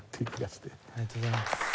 ありがとうございます。